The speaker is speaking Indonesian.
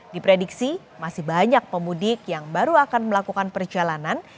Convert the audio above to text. diprediksi masih banyak pemudik yang baru akan melakukan perjalanan